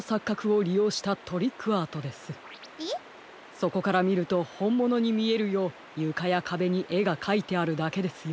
そこからみるとほんものにみえるようゆかやかべにえがかいてあるだけですよ。